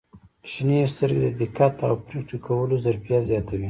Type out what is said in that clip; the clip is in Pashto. • شنې سترګې د دقت او پرېکړې کولو ظرفیت زیاتوي.